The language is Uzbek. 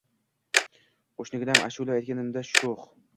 Qushginam, ashula aytganimcha sho‘x